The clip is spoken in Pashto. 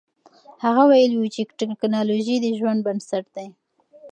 هغه ویلي و چې تکنالوژي د ژوند بنسټ دی.